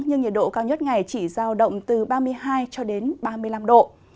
nhưng nhiệt độ cao nhất ngày chỉ giao động từ ba mươi hai cho đến ba mươi năm độ